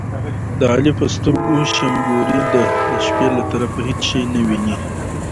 د علي په سترګو شمګوري ده، د شپې له طرفه هېڅ شی نه ویني.